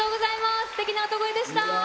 すてきな歌声でした。